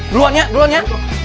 duluan nya duluan nya